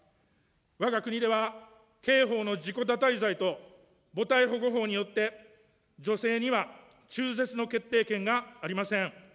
わが国では刑法の自己堕胎罪と母体保護法によって、女性には中絶の決定権がありません。